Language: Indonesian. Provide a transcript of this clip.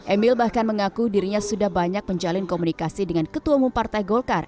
emil bahkan mengaku dirinya sudah banyak menjalin komunikasi dengan ketua umum partai golkar